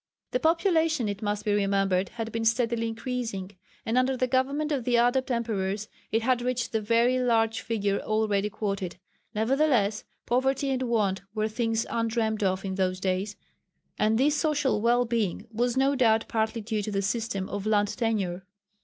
The population it must be remembered had been steadily increasing, and under the government of the Adept emperors it had reached the very large figure already quoted; nevertheless poverty and want were things undreamt of in those days, and this social well being was no doubt partly due to the system of land tenure.